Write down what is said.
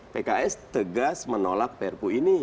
pks tegas menolak perpu ini